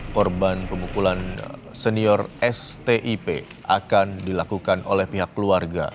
korban pemukulan senior stip akan dilakukan oleh pihak keluarga